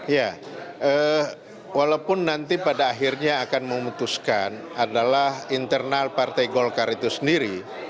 ya walaupun nanti pada akhirnya akan memutuskan adalah internal partai golkar itu sendiri